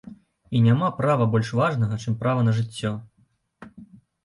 І няма права больш важнага, чым права на жыццё.